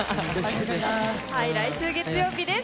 来週月曜日です。